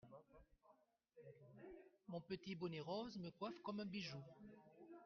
Mon petit bonnet rose me coiffe comme un bijou…